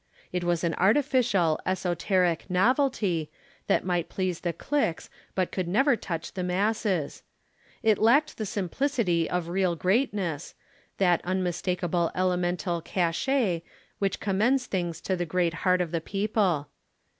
It was an artificial, esoteric novelty, that might please the cliques but could never touch the masses. It lacked the simplicity of real greatness, that unmistakable elemental cachet which commends things to the great heart of the people.